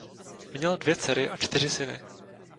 Měl dvě dcery a čtyři syny.